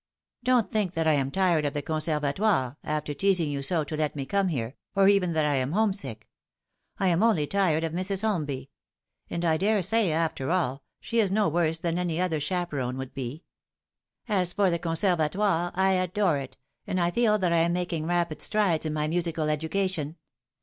" Don't think that I am tired of the Conservatoire, after teas ing you so to let me come here, or even that I am home sick. I am only tired of Mrs. Holmby ; and I daresay, after all, she is no worse than any other chaperon would be. As for the Conser vatoire, I adore it, and I feel that I am making rapid strides in my musical education.